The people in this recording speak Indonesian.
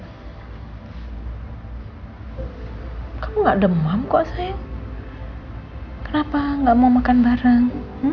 hai kamu enggak demam kok sayang hai kenapa enggak mau makan bareng